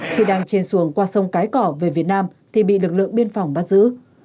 khi đang trên xuồng qua sông cái cỏ về việt nam thì bị lực lượng biên phòng bắt giữ